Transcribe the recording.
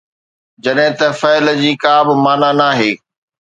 جڏهن ته فعل جي ڪا به معنيٰ ناهي.